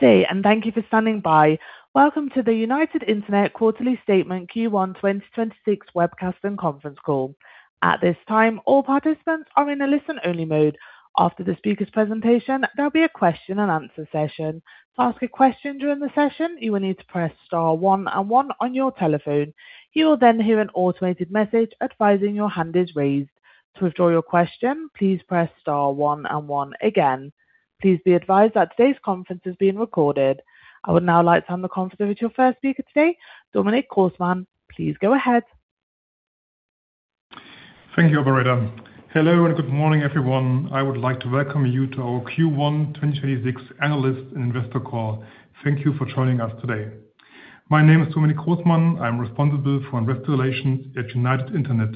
Good day, and thank you for standing by. Welcome to the United Internet quarterly statement Q1, 2026 webcast and conference call. At this time, all participants are in a listen-only mode. After the speaker's presentation, there'll be a question-and-answer session. To ask a question during the session, you will need to press star one and one on your telephone. You will hear an automated message advising your hand is raised. To withdraw your question, please press star one and one again. Please be advised that today's conference is being recorded. I would now like to hand the conference over to your first speaker today, Dominic Grossmann. Please go ahead. Thank you, operator. Hello, and good morning, everyone. I would like to welcome you to our Q1 2026 analyst and investor call. Thank you for joining us today. My name is Dominic Grossmann. I'm responsible for Investor Relations at United Internet.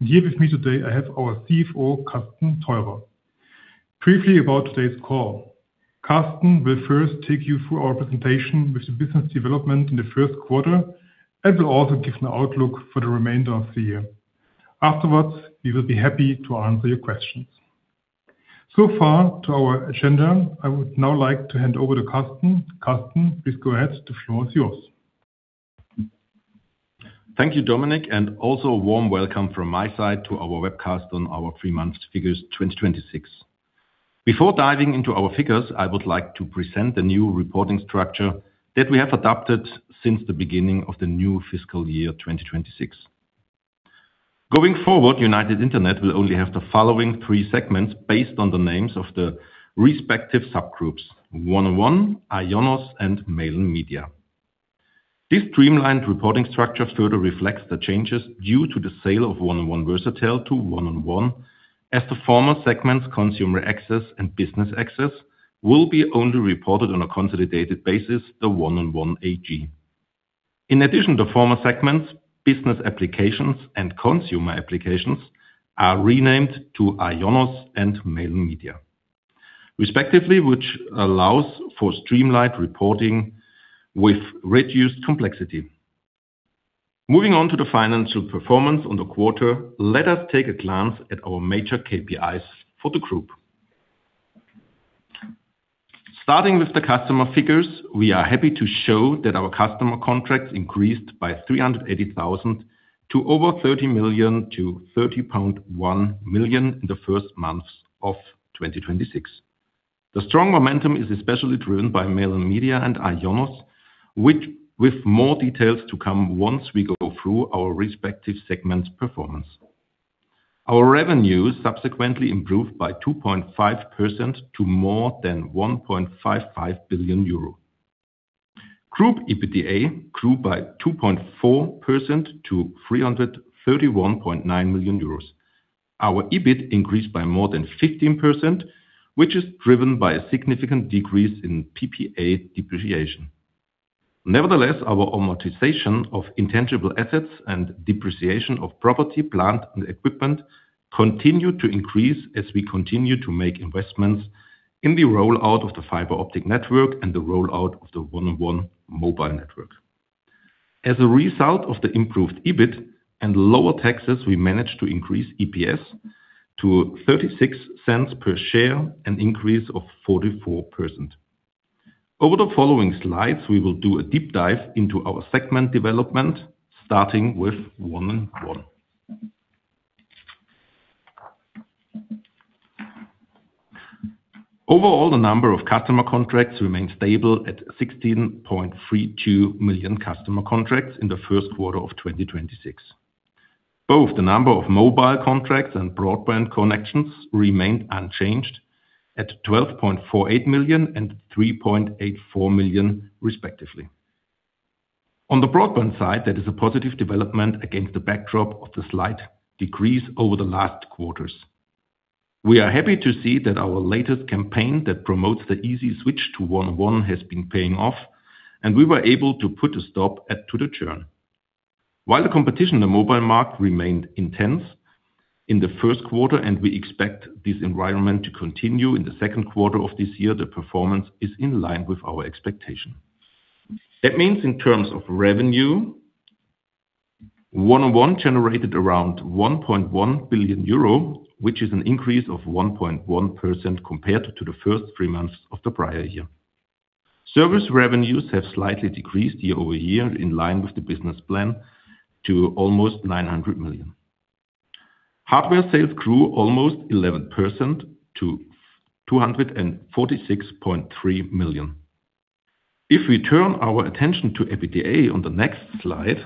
Here with me today, I have our CFO, Carsten Theurer. Briefly about today's call. Carsten will first take you through our presentation with the business development in the first quarter and will also give an outlook for the remainder of the year. Afterwards, we will be happy to answer your questions. Far to our agenda, I would now like to hand over to Carsten. Carsten, please go ahead. The floor is yours. Thank you, Dominic, and also a warm welcome from my side to our webcast on our three months figures 2026. Before diving into our figures, I would like to present the new reporting structure that we have adopted since the beginning of the new fiscal year, 2026. Going forward, United Internet will only have the following three segments based on the names of the respective subgroups: 1&1, IONOS, and Mail & Media. This streamlined reporting structure further reflects the changes due to the sale of 1&1 Versatel to 1&1 as the former segments, Consumer Access and Business Access, will be only reported on a consolidated basis, the 1&1 AG. In addition, the former segments, Business Applications and Consumer Applications, are renamed to IONOS and Mail & Media, respectively, which allows for streamlined reporting with reduced complexity. Moving on to the financial performance on the quarter, let us take a glance at our major KPIs for the group. Starting with the customer figures, we are happy to show that our customer contracts increased by 380,000 to over 30 million to 30.1 million in the first months of 2026. The strong momentum is especially driven by Mail & Media and IONOS, with more details to come once we go through our respective segments' performance. Our revenue subsequently improved by 2.5% to more than 1.55 billion euro. Group EBITDA grew by 2.4% to 331.9 million euros. Our EBIT increased by more than 15%, which is driven by a significant decrease in PPA depreciation. Nevertheless, our amortization of intangible assets and depreciation of property, plant, and equipment continue to increase as we continue to make investments in the rollout of the fiber optic network and the rollout of the 1&1 mobile network. As a result of the improved EBIT and lower taxes, we managed to increase EPS to 0.36 per share, an increase of 44%. Over the following slides, we will do a deep dive into our segment development, starting with 1&1. Overall, the number of customer contracts remained stable at 16.32 million customer contracts in the first quarter of 2026. Both the number of mobile contracts and broadband connections remained unchanged at 12.48 million and 3.84 million, respectively. On the broadband side, that is a positive development against the backdrop of the slight decrease over the last quarters. We are happy to see that our latest campaign that promotes the easy switch to 1&1 has been paying off, and we were able to put a stop to the churn. While the competition in the mobile market remained intense in the first quarter, and we expect this environment to continue in the second quarter of this year, the performance is in line with our expectation. That means in terms of revenue, 1&1 generated around 1.1 billion euro, which is an increase of 1.1% compared to the first three months of the prior year. Service revenues have slightly decreased year-over-year in line with the business plan to almost 900 million. Hardware sales grew almost 11% to 246.3 million. If we turn our attention to EBITDA on the next slide,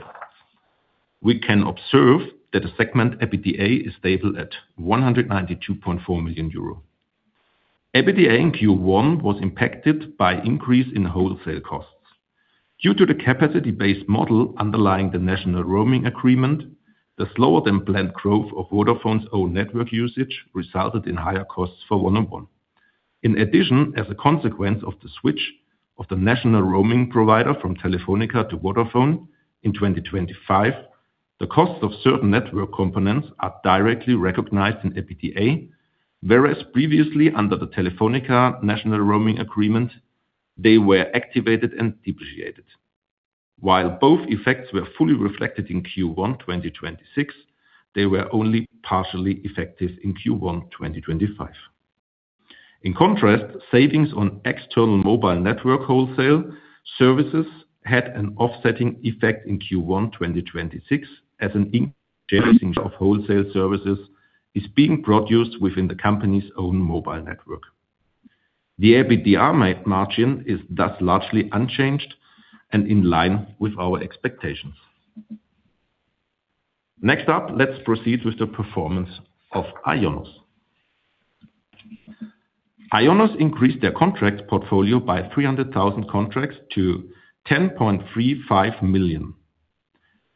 we can observe that the segment EBITDA is stable at 192.4 million euro. EBITDA in Q1 was impacted by increase in wholesale costs. Due to the capacity-based model underlying the national roaming agreement, the slower-than-planned growth of Vodafone's own network usage resulted in higher costs for 1&1. In addition, as a consequence of the switch of the national roaming provider from Telefónica to Vodafone in 2025, the cost of certain network components are directly recognized in EBITDA, whereas previously, under the Telefónica National Roaming Agreement, they were activated and depreciated. While both effects were fully reflected in Q1 2026, they were only partially effective in Q1 2025. In contrast, savings on external mobile network wholesale services had an offsetting effect in Q1 2026 as an of wholesale services is being produced within the company's own mobile network. The EBITDA margin is thus largely unchanged and in line with our expectations. Next up, let's proceed with the performance of IONOS. IONOS increased their contract portfolio by 300,000 contracts to 10.35 million.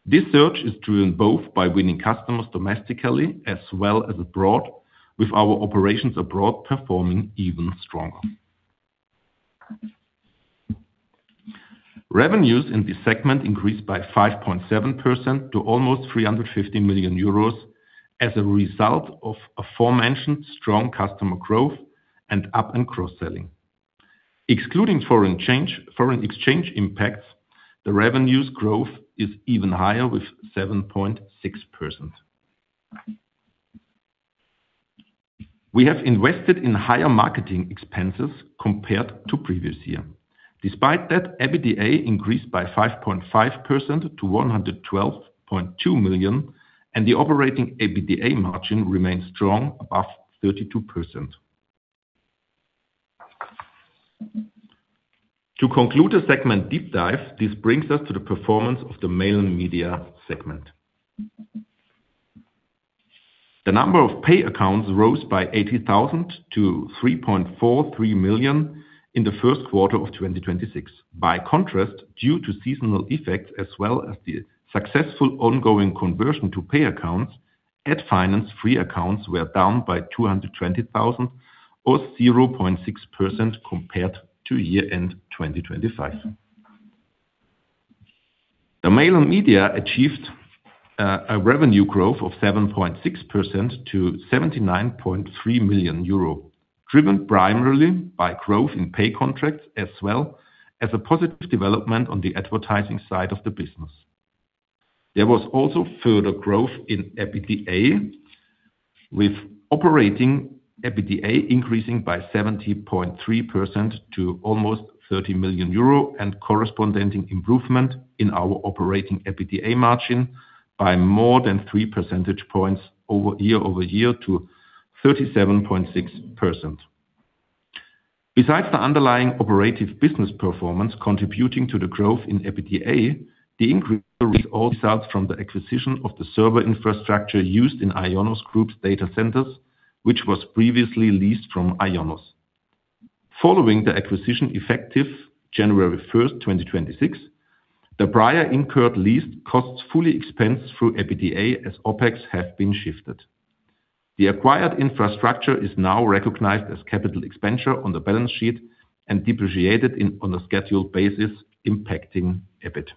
This surge is driven both by winning customers domestically as well as abroad, with our operations abroad performing even stronger. Revenues in this segment increased by 5.7% to almost 350 million euros as a result of aforementioned strong customer growth and up and cross-selling. Excluding foreign exchange impacts, the revenues growth is even higher, with 7.6%. We have invested in higher marketing expenses compared to previous year. Despite that, EBITDA increased by 5.5% to 112.2 million, and the operating EBITDA margin remains strong above 32%. To conclude the segment deep dive, this brings us to the performance of the Mail & Media segment. The number of pay accounts rose by 80,000 to 3.43 million in the first quarter of 2026. By contrast, due to seasonal effects as well as the successful ongoing conversion to pay accounts at finance, free accounts were down by 220,000 or 0.6% compared to year-end 2025. The Mail & Media achieved a revenue growth of 7.6% to 79.3 million euro, driven primarily by growth in pay contracts as well as a positive development on the advertising side of the business. There was also further growth in EBITDA, with operating EBITDA increasing by 70.3% to almost 30 million euro and corresponding improvement in our operating EBITDA margin by more than 3 percentage points year-over-year to 37.6%. Besides the underlying operative business performance contributing to the growth in EBITDA, the increase results from the acquisition of the server infrastructure used in IONOS Group's data centers, which was previously leased from IONOS. Following the acquisition effective January 1, 2026, the prior incurred lease costs fully expensed through EBITDA as OpEx have been shifted. The acquired infrastructure is now recognized as capital expenditure on the balance sheet and depreciated on a scheduled basis, impacting EBIT.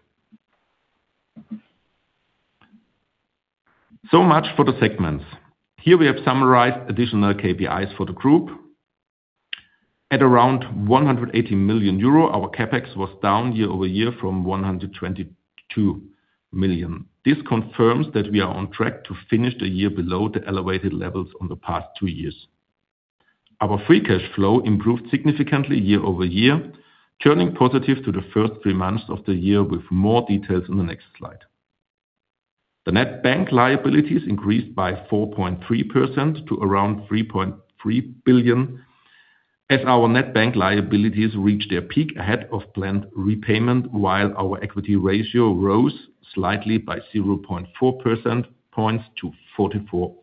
Much for the segments. Here we have summarized additional KPIs for the group. At around 180 million euro, our CapEx was down year-over-year from 122 million. This confirms that we are on track to finish the year below the elevated levels on the past two years. Our free cash flow improved significantly year-over-year, turning positive to the first three months of the year with more details in the next slide. The net bank liabilities increased by 4.3% to around 3.3 billion as our net bank liabilities reached their peak ahead of planned repayment while our equity ratio rose slightly by 0.4 percentage points to 44%.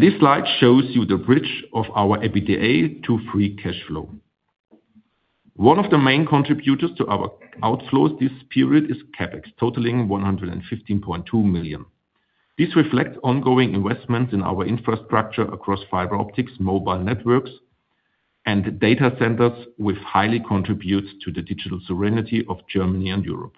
This slide shows you the bridge of our EBITDA to free cash flow. One of the main contributors to our outflows this period is CapEx, totaling 115.2 million. This reflects ongoing investment in our infrastructure across fiber optics, mobile networks, and data centers, which highly contributes to the digital sovereignty of Germany and Europe.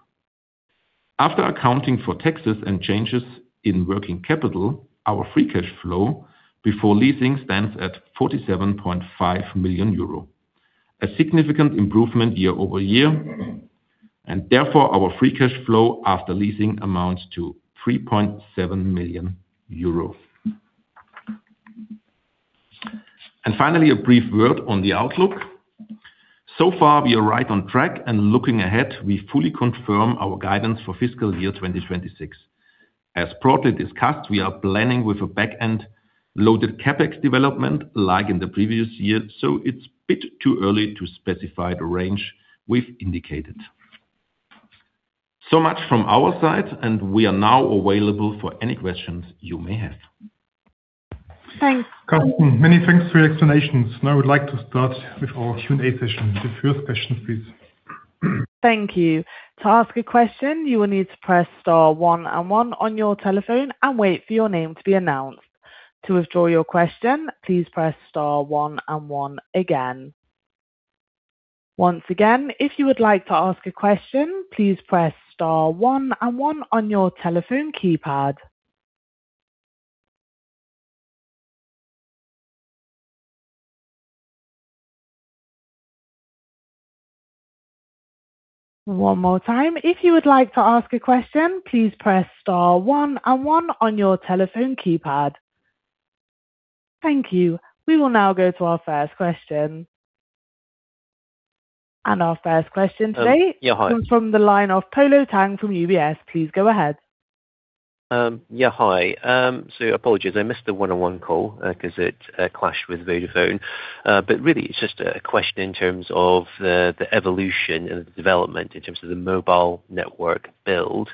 After accounting for taxes and changes in working capital, our free cash flow before leasing stands at 47.5 million euro, a significant improvement year-over-year, and therefore our free cash flow after leasing amounts to 3.7 million euro. Finally, a brief word on the outlook. So far, we are right on track and looking ahead, we fully confirm our guidance for fiscal year 2026. As broadly discussed, we are planning with a back-end loaded CapEx development like in the previous year, so it's a bit too early to specify the range we've indicated. Much from our side, and we are now available for any questions you may have. Thanks. Many thanks for your explanations. I would like to start with our Q&A session. The first question, please. Thank you. To ask a question you will need to press star one and one on your telephone and await your name may announce. To withdraw your question press star one and one again. Once again, if you would like to ask question please press star one and one on your telephone keypad. One more time if you would like to ask question please press star one and one on your telephone keypad. Thank you. We will now go to our first question. Yeah, hi. Comes from the line of Polo Tang from UBS. Please go ahead. Yeah, hi. Apologies I missed the 1&1 call, 'cause it clashed with Vodafone. But really it's just a question in terms of the evolution and the development in terms of the mobile network build.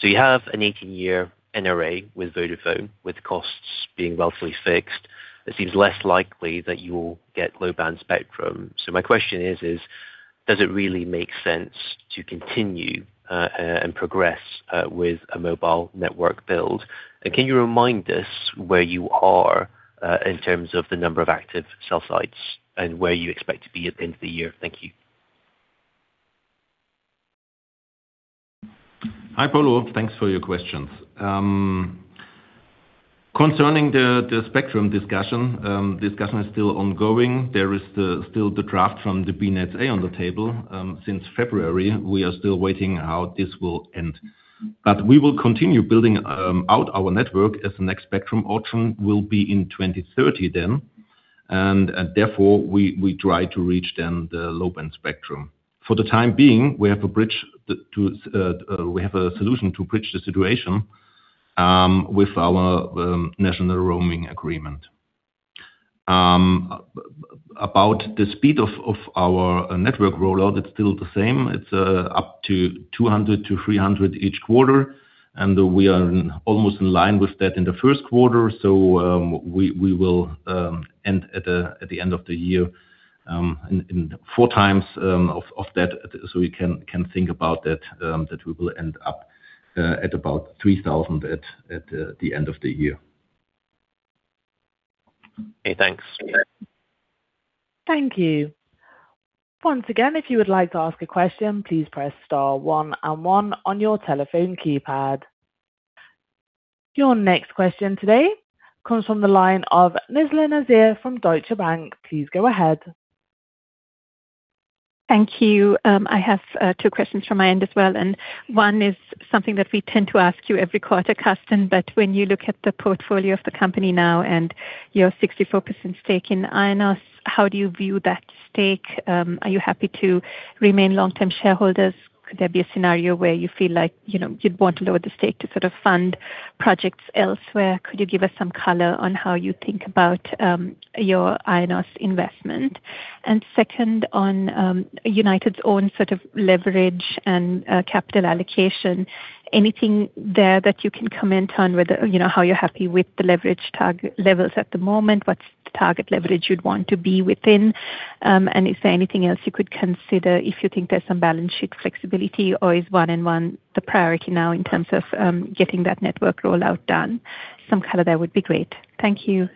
You have an 18-year NRA with Vodafone, with costs being relatively fixed. It seems less likely that you'll get low-band spectrum. My question is, does it really make sense to continue and progress with a mobile network build? Can you remind us where you are in terms of the number of active cell sites and where you expect to be at the end of the year? Thank you. Hi, Polo. Thanks for your questions. Concerning the spectrum discussion is still ongoing. There is still the draft from the BNetzA on the table since February. We are still waiting how this will end. We will continue building out our network as the next spectrum auction will be in 2030 then. Therefore we try to reach then the low-band spectrum. For the time being, we have a solution to bridge the situation with our national roaming agreement. About the speed of our network rollout, it's still the same. It's up to 200 to 300 each quarter, we are almost in line with that in the first quarter. We will end at the end of the year in 4x of that. We can think about that that we will end up at about 3,000 at the end of the year. Okay, thanks. Thank you. Once again, if you would like to ask a question, please press star one and one on your telephone keypad. Your next question today comes from the line of Nizla Naizer from Deutsche Bank. Please go ahead. Thank you. I have two questions from my end as well, one is something that we tend to ask you every quarter, Carsten. When you look at the portfolio of the company now and your majority stake and stake in IONOS, how do you view that stake? Are you happy to remain long-term shareholders? Could there be a scenario where you feel like, you know, you'd want to lower the stake to sort of fund projects elsewhere? Could you give us some color on how you think about your IONOS investment? Second, on United's own sort of leverage and capital allocation. Anything there that you can comment on? Whether, you know, how you're happy with the leverage target levels at the moment? What's the target leverage you'd want to be within? Is there anything else you could consider if you think there's some balance sheet flexibility, or is 1&1 the priority now in terms of getting that network rollout done? Some color there would be great. Thank you.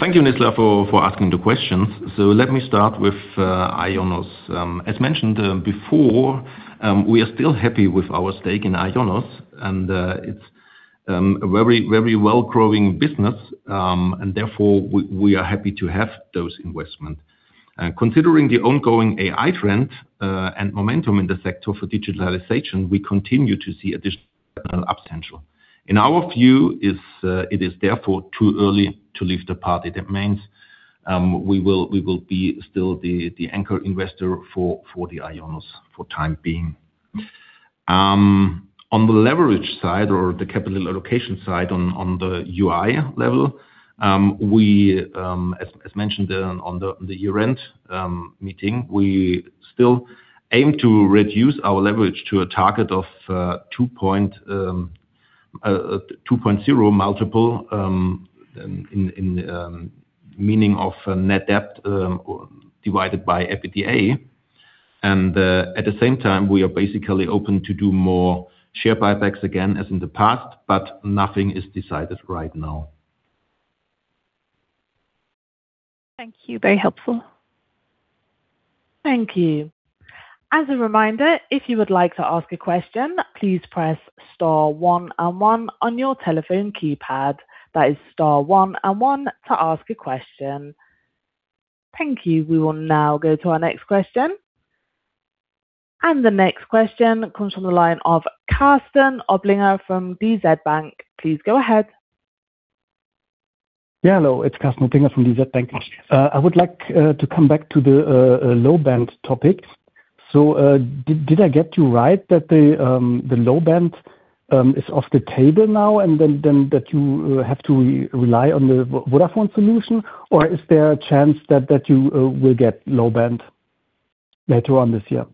Thank you, Nizla, for asking the questions. Let me start with IONOS. As mentioned before, we are still happy with our stake in IONOS and it's a very well growing business. Therefore we are happy to have those investment. Considering the ongoing AI trend and momentum in the sector for digitalization, we continue to see additional up potential. In our view, it is therefore too early to leave the party. That means we will be still the anchor investor for the IONOS for time being. On the leverage side or the capital allocation side on the UI level, we, as mentioned on the year-end meeting, still aim to reduce our leverage to a target of 2.0 multiple in meaning of net debt divided by EBITDA. At the same time, we are basically open to do more share buybacks again, as in the past, but nothing is decided right now. Thank you. Very helpful. Thank you. As a reminder, if you would like to ask a question, please press star one and one on your telephone keypad. That is star one and one to ask a question. Thank you. We will now go to our next question. The next question comes from the line of Karsten Oblinger from DZ Bank. Please go ahead. Yeah. Hello, it's Karsten Oblinger from DZ Bank. Yes. I would like to come back to the low band topic. Did I get you right that the low band is off the table now and then that you have to rely on the Vodafone solution? Or is there a chance that you will get low band later on this year?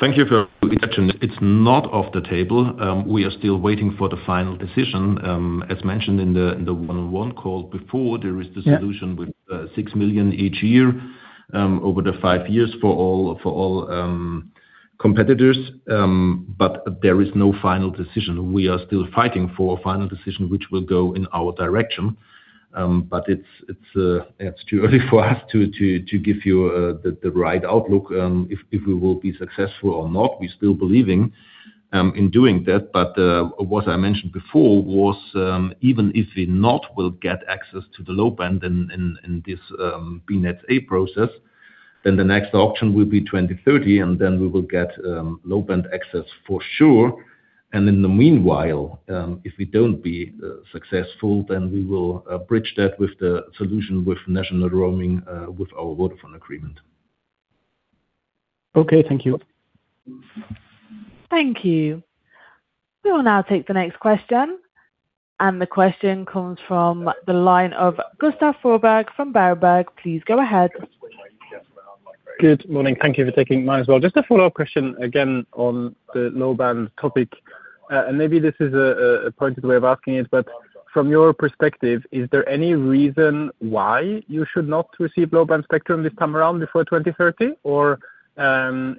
Thank you for your question. It's not off the table. We are still waiting for the final decision. Yeah There is the solution with 6 million each year over the five years for all competitors. There is no final decision. We are still fighting for a final decision which will go in our direction. It's too early for us to give you the right outlook if we will be successful or not. We still believing in doing that. What I mentioned before was, even if we not will get access to the low-band in this BNetzA process, the next option will be 2030, and then we will get low-band access for sure. In the meanwhile, if we don't be successful, then we will bridge that with the solution with national roaming, with our Vodafone agreement. Okay. Thank you. Thank you. We will now take the next question. The question comes from the line of Gustav Froberg from Berenberg. Please go ahead. Good morning. Thank you for taking mine as well. Just a follow-up question, again, on the low-band topic. Maybe this is a pointed way of asking it, but from your perspective, is there any reason why you should not receive low-band spectrum this time around before 2030?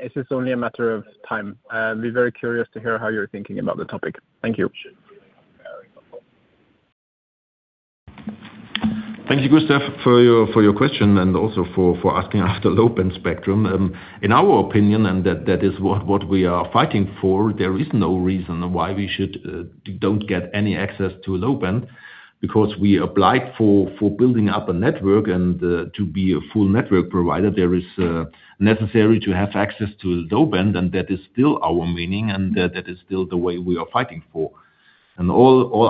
Is this only a matter of time? I'd be very curious to hear how you're thinking about the topic. Thank you. Thank you, Gustav, for your question and also for asking after low-band spectrum. In our opinion, and that is what we are fighting for, there is no reason why we should don't get any access to low-band because we applied for building up a network and to be a full network provider, there is necessary to have access to low-band, and that is still our meaning and that is still the way we are fighting for. All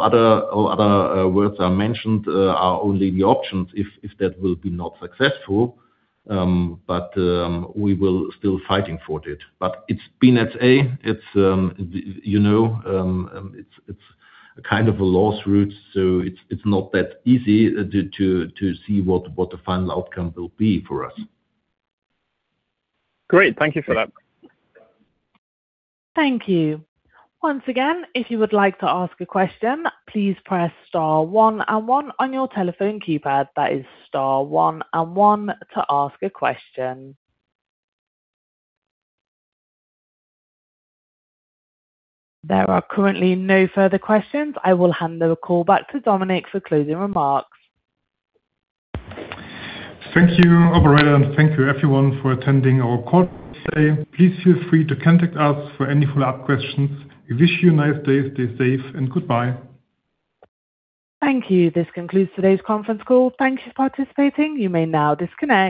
other words I mentioned are only the options if that will be not successful. We will still fighting for it. It's BNetzA, it's, you know, it's a kind of a Lostrommel, it's not that easy to see what the final outcome will be for us. Great. Thank you for that. Thank you. Once again, if you would like to ask a question, please press star one one on your telephone keypad. That is star one one to ask a question. There are currently no further questions. I will hand the call back to Dominic for closing remarks. Thank you, operator, and thank you everyone for attending our call today. Please feel free to contact us for any follow-up questions. We wish you a nice day. Stay safe, and goodbye. Thank you. This concludes today's conference call. Thank you for participating. You may now disconnect.